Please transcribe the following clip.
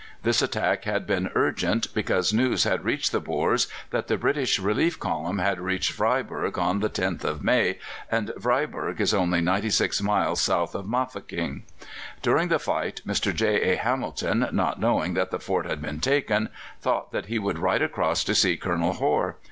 This attack had been urgent, because news had reached the Boers that the British relief column had reached Vryburg on the 10th of May, and Vryburg is only ninety six miles south of Mafeking. During the fight Mr. J. A. Hamilton, not knowing that the fort had been taken, thought that he would ride across to see Colonel Hore.